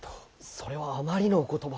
それはあまりのお言葉。